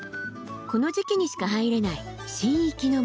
この時期にしか入れない神域の森。